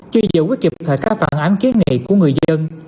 chưa giải quyết kịp thời các phản án kiến nghị của người dân